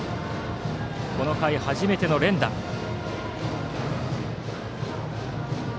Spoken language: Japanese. この回、初めての連打です。